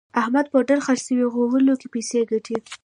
احمد پوډر خرڅوي غولو کې پیسې ګټي.